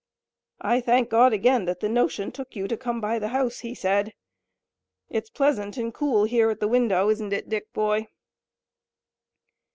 "I thank God again that the notion took you to come by the house," he said. "It's pleasant and cool here at the window, isn't it, Dick, boy?"